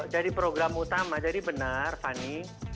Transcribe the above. jadi program utama jadi benar fani